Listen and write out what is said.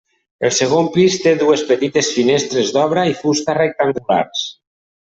El segon pis té dues petites finestres d'obra i fusta rectangulars.